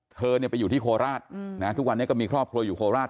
เธอไปอยู่ที่โคราชทุกวันนี้ก็มีครอบครัวอยู่โคราช